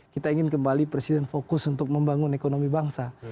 kita ingin kembali presiden fokus untuk membangun ekonomi bangsa